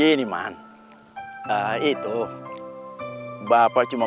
iya ada apa ya